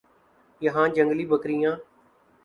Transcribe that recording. یہاں جنگلی بکریاں